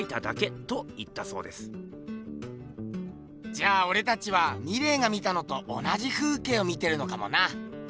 じゃあおれたちはミレーが見たのと同じ風景を見てるのかもな。